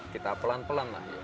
kita pelan pelan lah